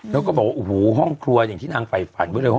แล้วก็บอกว่าโอ้โหห้องครัวอย่างที่นางไฟฝัน